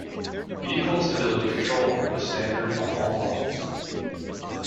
Vehicle Stability Control was standard on all models.